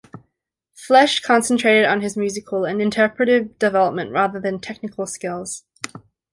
Flesch concentrated on his musical and interpretative development rather than technical skills.